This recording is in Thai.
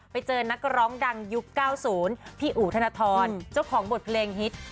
ไปเจอนักร้องดังยุค๙๐พี่อู๋ธนทรเจ้าของบทเพลงฮิต